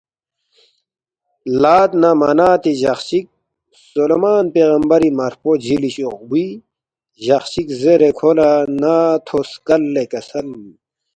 لات نہ مناتی جخ چِک، سُلیمان پیغمبری مارفو جِلی شوقبُوی جخ چِک زیرے کھو لہ نا تھو سکل لے کسل